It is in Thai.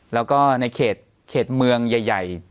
แล้วก็ในเขตเมืองใหญ่